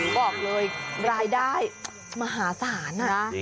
บอกเลยรายได้มหาศาลนะ